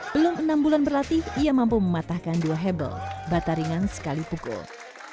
belum enam bulan berlatih ia mampu mematahkan dua hebel bataringan sekali pukul